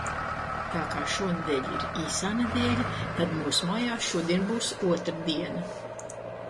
Tā kā šonedēļ ir īsā nedēļā, tad mūsmājās šodien būs otrdiena.